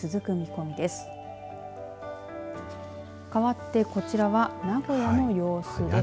かわって、こちらは名古屋の様子です。